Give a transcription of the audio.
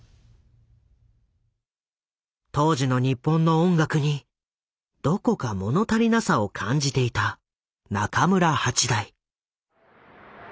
当時の日本の音楽にどこか物足りなさを感じていた中村八大。